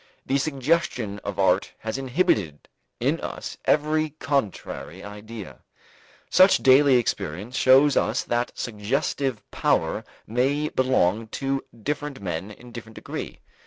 The suggestion of art has inhibited in us every contrary idea. Such daily experience shows us that suggestive power may belong to different men in different degree.